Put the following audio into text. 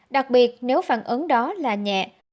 đặc biệt nếu phản ứng đó là nhẹ